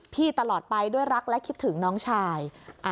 ตลอดไปด้วยรักและคิดถึงน้องชาย